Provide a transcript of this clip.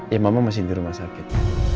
ya mama masih di rumah sakit